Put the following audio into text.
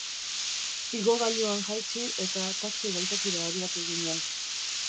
Igogailuan jaitsi, eta taxi-geltokira abiatu ginen.